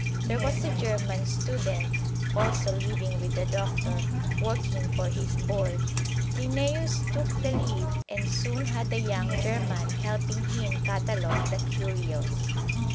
There was a German student also living with the doctor, working for his board. Linnæus took the lead and soon had the young German helping him catalog the curios.